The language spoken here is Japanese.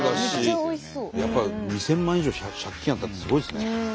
やっぱり２，０００万円以上借金あったってすごいですね。